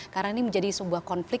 karena ini menjadi sebuah konflik